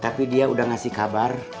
tapi dia udah ngasih kabar